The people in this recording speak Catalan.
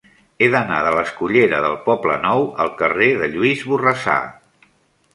He d'anar de la escullera del Poblenou al carrer de Lluís Borrassà.